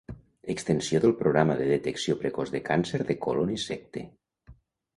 Extensió del Programa de detecció precoç de càncer de còlon i cecte.